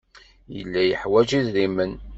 Yella yeḥwaj idrimen.